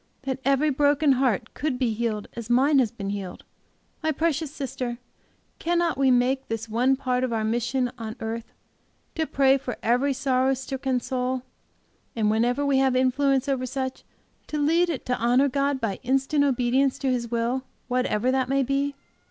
that every broken heart could be healed as mine has been healed! My precious sister, cannot we make this one part of our mission on earth, to pray for every sorrow stricken soul, and whenever we have influence over such, to lead it to honor God by instant obedience to His will, whatever that may be?